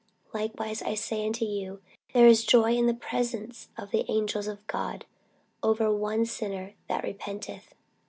Likewise, I say unto you, there is joy in the presence of the angels of God over one sinner that repenteth.